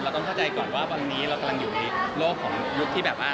ต้องเข้าใจก่อนว่าวันนี้เรากำลังอยู่ในโลกของยุคที่แบบว่า